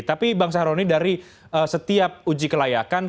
tapi bang sahroni dari setiap ujikan